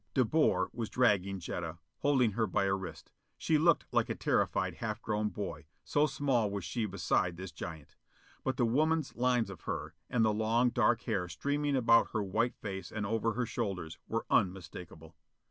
De Boer was dragging Jetta, holding her by a wrist. She looked like a terrified, half grown boy, so small was she beside this giant. But the woman's lines of her, and the long dark hair streaming about her white face and over her shoulders, were unmistakable.